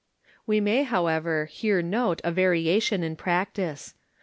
We may, however, here note a variation in practice.